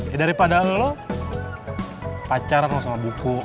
ya daripada lo pacaran loh sama buku